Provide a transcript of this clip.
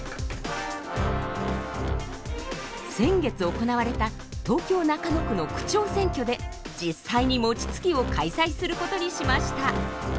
先月行われた東京・中野区の区長選挙で実際にもちつきを開催することにしました。